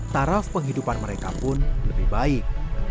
taraf penghidupan mereka pun lebih baik